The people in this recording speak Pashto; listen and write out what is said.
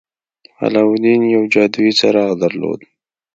علاوالدين يو جادويي څراغ درلود.